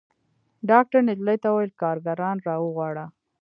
ډاکتر نجلۍ ته وويل کارګران راوغواړه.